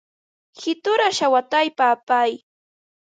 Qiruta shawataypa apay.